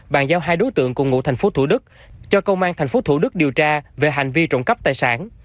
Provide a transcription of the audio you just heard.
bàn giao hai đối tượng cùng ngũ thành phố thủ đức cho công an thành phố thủ đức điều tra về hành vi trộm cắp tài sản